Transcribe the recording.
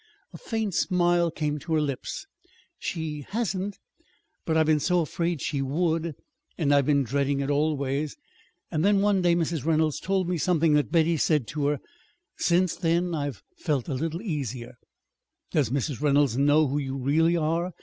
A faint smile came to her lips. "She hasn't; but I've been so afraid she would, and I've been dreading it always. Then one day Mrs. Reynolds told me something Betty said to her. Since then I've felt a little easier." "Does Mrs. Reynolds know who you really are?"